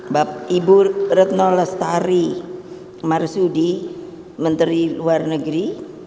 bapak ibu retno lestari marsudi menteri luar negeri